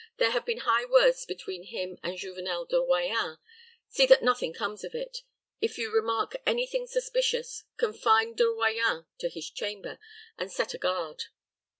There have been high words between him and Juvenel de Royans. See that nothing comes of it. If you remark any thing suspicious, confine De Royans to his chamber, and set a guard."